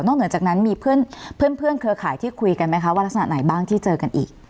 เหนือจากนั้นมีเพื่อนเครือข่ายที่คุยกันไหมคะว่ารักษณะไหนบ้างที่เจอกันอีก